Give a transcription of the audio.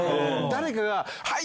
誰かが。